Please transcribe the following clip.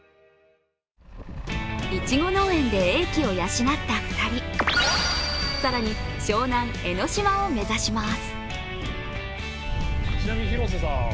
いちご農園で英気を養った２人更に湘南・江の島を目指します。